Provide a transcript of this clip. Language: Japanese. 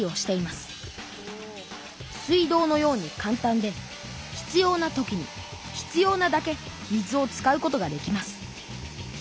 水道のようにかん単で必要な時に必要なだけ水を使うことができます。